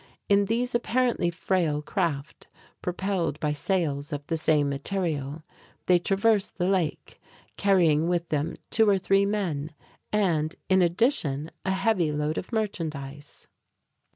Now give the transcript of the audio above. In these apparently frail craft, propelled by sails of the same material, they traverse the lake, carrying with them two or three men, and in addition, a heavy load of merchandise.